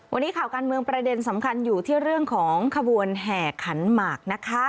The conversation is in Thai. วันนี้ข่าวการเมืองประเด็นสำคัญอยู่ที่เรื่องของขบวนแห่ขันหมากนะคะ